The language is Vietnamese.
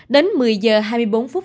đến một mươi h hai mươi bốn phút